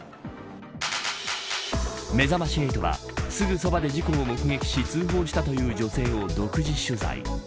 めざまし８は、すぐそばで事故を目撃し通報したという女性を独自取材。